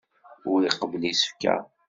Ur iqebbel isefka.